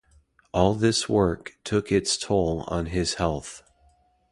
All this work took its toll on his health.